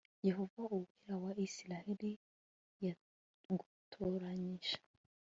yehova uwera wa isirayeli yagutoranyije